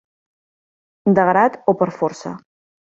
De grat o per força.